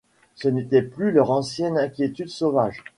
Ce n’était plus leur ancienne inquiétude sauvage.